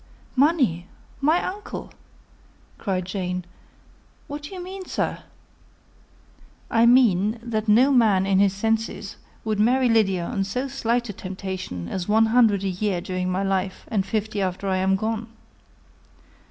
"Money! my uncle!" cried Jane, "what do you mean, sir?" "I mean that no man in his proper senses would marry Lydia on so slight a temptation as one hundred a year during my life, and fifty after I am gone."